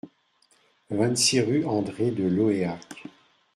vingt-six rue André de Lohéac